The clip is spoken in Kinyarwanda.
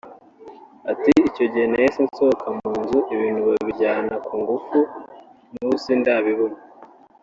Ati “Icyo gihe nahise nsohoka mu nzu ibintu babijyana ku ngufu n’ubu sindabibona